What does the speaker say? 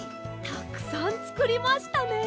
たくさんつくりましたね。